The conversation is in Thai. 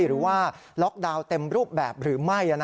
หรือว่าล็อกดาวน์เต็มรูปแบบหรือไม่